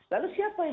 lalu siapa yang bisa